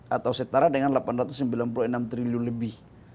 atau setara dengan delapan ratus sembilan puluh enam triliun lebih